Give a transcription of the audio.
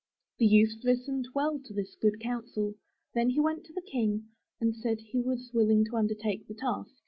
'' The youth listened well to this good counsel, then he went to the King and said he was willing to undertake the task.